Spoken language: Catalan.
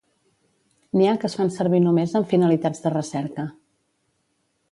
N'hi ha que es fan servir només amb finalitats de recerca.